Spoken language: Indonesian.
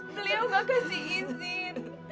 beliau gak kasih izin